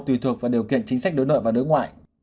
tùy thuộc vào điều kiện chính sách đối nội và đối ngoại